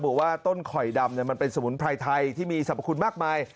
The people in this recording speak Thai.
ว่าต้นข่อยดำมันเป็นสมุนไพรไทยที่มีสรรพคุณมากมาย